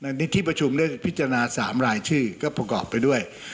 ในนิติประชุมเลือกพิจารณา๓รายชื่อก็ประกอบไปด้วย